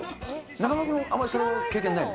中丸君、あんまりその経験ないの？